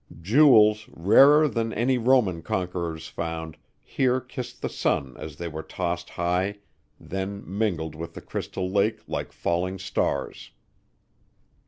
Jewels, rarer than any Roman conquerors found, here kissed the sun as they were tossed high, then mingled with the crystal lake like falling stars.